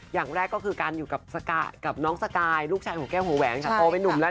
อย่างแรกก็คือการอยู่กับน้องสกายลูกชายของแก้วหัวแหวนค่ะโตเป็นนุ่มแล้ว